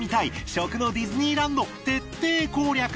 食のディズニーランド徹底攻略。